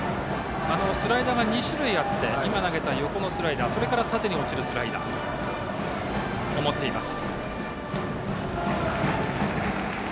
スライダーが２種類あって横のスライダーそれから縦に落ちるスライダーを持っています。